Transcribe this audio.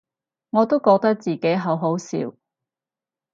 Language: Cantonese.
我都覺得自己好好笑